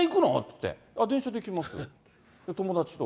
って、電車で行きます、友だちと。